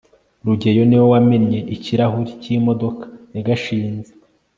rugeyo niwe wamennye ikirahure cyimodoka ya gashinzi